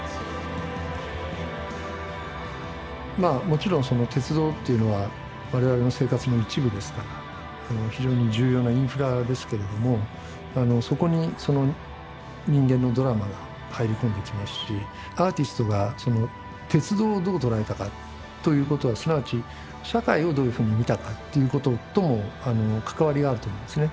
まあもちろん鉄道というのは我々の生活の一部ですから非常に重要なインフラですけれどもそこにその人間のドラマが入り込んできますしアーティストが鉄道をどう捉えたかということはすなわち社会をどういうふうに見たかっていうこととも関わりがあると思いますね。